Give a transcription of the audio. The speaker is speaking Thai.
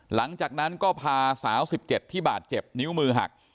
หลังจากนั้นก็พาสาว๑๗ที่บาดเจ็บนิ้วมือหัก